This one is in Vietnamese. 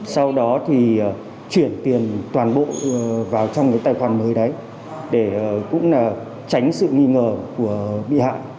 sau đó thì chuyển tiền toàn bộ vào trong cái tài khoản mới đấy để cũng là tránh sự nghi ngờ của bị hại